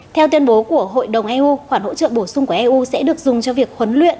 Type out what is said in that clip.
theo tuyên bố của hội đồng eu khoản hỗ trợ bổ sung của eu sẽ được dùng cho việc huấn luyện